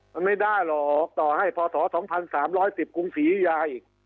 มันไม่ได้หรอกต่อให้พศ๒๓๑๐กรุงฝียาย